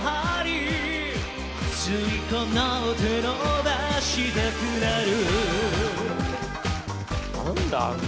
「ついこの手のばしたくなる」